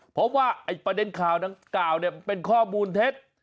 เพราะว่าประเด็นข่าวดังกล่าวเป็นข้อมูลเท็จ